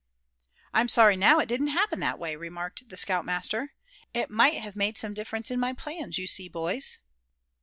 "I'm sorry now it didn't happen that way," remarked the scout master, "it might have made some difference in my plans, you see, boys."